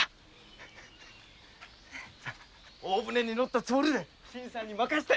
大船に乗ったつもりで新さんに任せて。